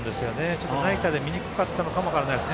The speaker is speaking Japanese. ちょっとナイターで見にくかったのかもしれないです